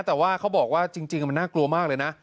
แต่ว่าเขาบอกว่าจริงมันน่ากลัวมากเลยนะ